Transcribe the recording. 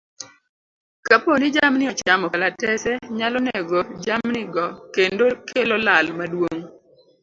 Kapo ni jamni ochamo kalatese nyalo nego jamnigo kendo kelo lal maduong'.